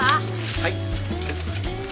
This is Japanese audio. はい。